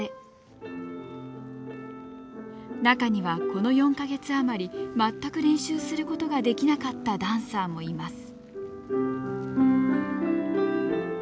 中にはこの４か月余り全く練習することができなかったダンサーもいます。